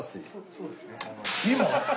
そうですね。